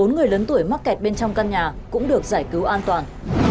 bốn người lớn tuổi mắc kẹt bên trong căn nhà cũng được giải cứu an toàn